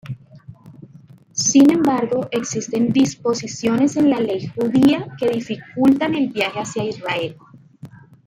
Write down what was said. Sin embargo, existen disposiciones en la ley judía que dificultan el viaje hacia Israel.